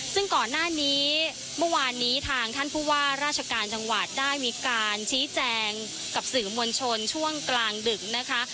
ซึ่งก่อนหน้านี้เมื่อวานนี้ทางท่านผู้ว่าราชการจังหวัดได้มีการชี้แจงกับสื่อมวลชนช่วงกลางดึกนะคะ